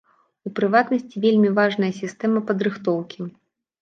У прыватнасці, вельмі важная сістэма падрыхтоўкі.